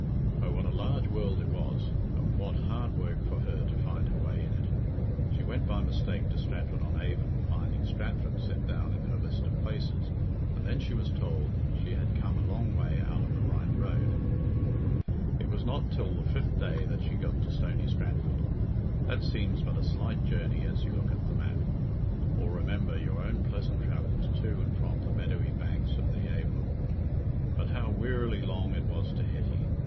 Oh what a large world it was, and what hard work for her to find her way in it! She went by mistake to Stratford on Avon, finding Stratford set down in her list of places, and then she was told she had come a long way out of the right road. It was not till the fifth day that she got to Stony Stratford. That seems but a slight journey as you look at the map, or remember your own pleasant travels to and from the meadowy banks of the Avon. But how wearily long it was to Hetty!